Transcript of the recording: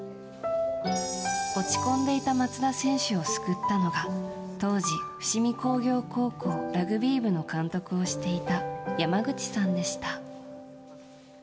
落ち込んでいた松田選手を救ったのが当時、伏見工業高校ラグビー部の監督をしていた山口さんでした。